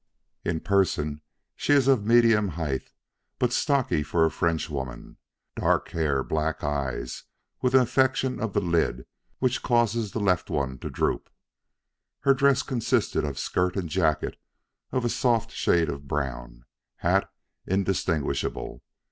In person she is of medium height, but stocky for a Frenchwoman. Dark hair, black eyes, with an affection of the lid which causes the left one to droop. Her dress consisted of skirt and jacket of a soft shade of brown. Hat indistinguishable.